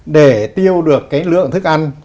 để tiêu được cái lượng thức ăn